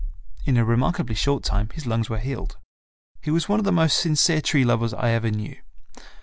In a remarkably short time his lungs were healed. He was one of the most sincere tree lovers I ever knew.